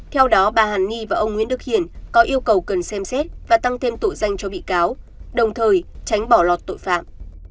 theo đó bà hàn ni và ông nguyễn đức hiển có yêu cầu cần xem xét và tăng thêm tội danh cho bị cáo đồng thời tránh bỏ lọt tội phạm